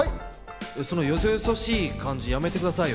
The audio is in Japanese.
そのよそよそしい感じ、やめてくださいよ。